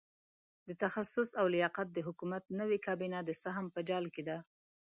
د تخصص او لیاقت د حکومت نوې کابینه د سهم په جال کې ده.